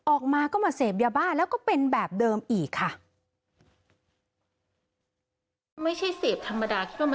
ออกมาก็มาเสพยาบ้าแล้วก็เป็นแบบเดิมอีกค่ะ